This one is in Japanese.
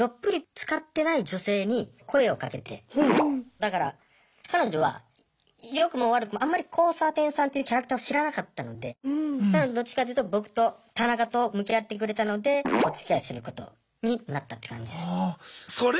だから彼女は良くも悪くもあんまり交差点さんというキャラクターを知らなかったのでなのでどっちかというと僕と田中と向き合ってくれたのでおつきあいすることになったって感じです。